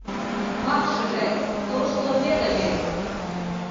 Вакшыже тошто веле вет.